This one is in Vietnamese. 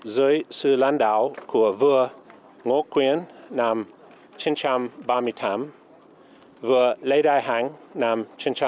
dưới sự lãnh đạo của vừa ngô quyền năm chín trăm ba mươi tám vừa lê đại hẳng năm chín trăm năm mươi một